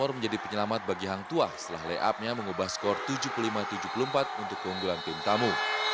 garuda menjadi penyelamat bagi hangtua setelah layupnya mengubah skor tujuh puluh lima tujuh puluh empat untuk keunggulan tim tamu